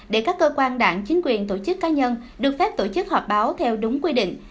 để các cơ quan đảng chính quyền tổ chức cá nhân được phép tổ chức họp báo theo đúng quy định